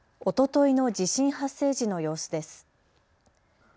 おとといの地震発生時の様子です。